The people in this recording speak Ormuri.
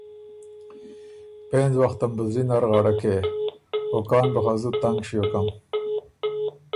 پېنځ وختم بُو زلی نر غړکې۔ او کان بُو خه زُت تنګ ݭیوکم۔